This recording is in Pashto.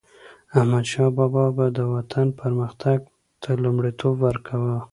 احمدشاه بابا به د وطن پرمختګ ته لومړیتوب ورکاوه.